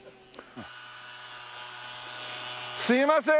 すいません